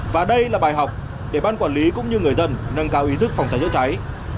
và đây là bài học để ban quản lý cũng như người dân nâng cao ý thức phòng cháy chữa cháy